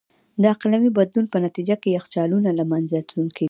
د اقلیمي بدلون په نتیجه کې یخچالونه له منځه تلونکي دي.